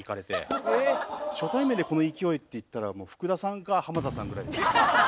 初対面でこの勢いっていったらもう福田さんか浜田さんぐらい。